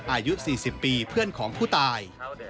อายุ๔๐ปีเพื่อนของผู้ตาย